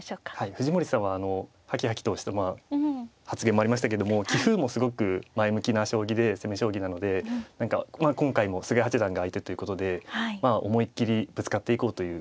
藤森さんははきはきとしたまあ発言もありましたけども棋風もすごく前向きな将棋で攻め将棋なので今回も菅井八段が相手ということで思いっきりぶつかっていこうという感じでしたね。